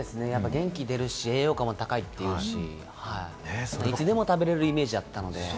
元気出るし、栄養価も高いといいますし、いつでも食べれるイメージだったので。